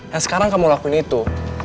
yang sekarang kamu lakuin itu